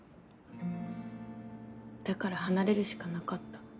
だから離れるしかなかった。